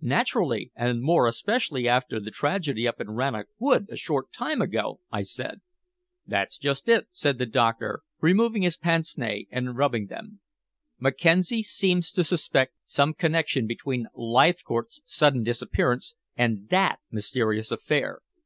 "Naturally. And more especially after the tragedy up in Rannoch Wood a short time ago," I said. "That's just it," said the doctor, removing his pince nez and rubbing them. "Mackenzie seems to suspect some connection between Leithcourt's sudden disappearance and that mysterious affair.